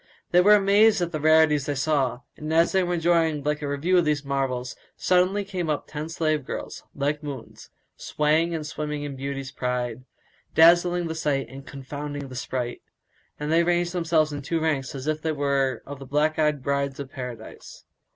They were amazed at the rarities they saw; and, as they were enjoying a review of these marvels, suddenly up came ten slave girls, like moons, swaying and swimming in beauty's pride, dazzling the sight and confounding the sprite; and they ranged themselves in two ranks as if they were of the black eyed Brides of Paradise.